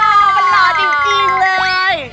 มาทักหลอกจริงเลย